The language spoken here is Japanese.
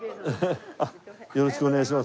よろしくお願いします。